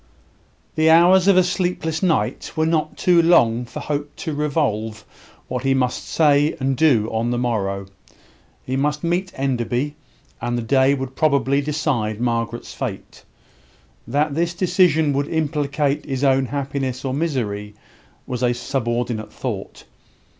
The hours of a sleepless night were not too long for Hope to revolve what he must say and do on the morrow. He must meet Enderby; and the day would probably decide Margaret's fate. That this decision would implicate his own happiness or misery was a subordinate thought.